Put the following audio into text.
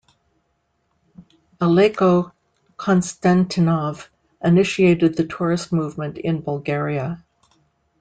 Aleko Konstantinov initiated the tourist movement in Bulgaria.